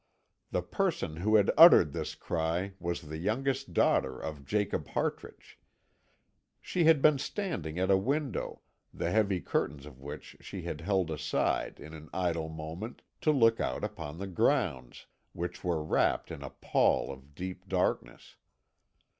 The person who had uttered this cry was the youngest daughter of Jacob Hartrich. She had been standing at a window, the heavy curtains of which she had held aside, in an idle moment, to look out upon the grounds, which were wrapped in a pall of deep darkness.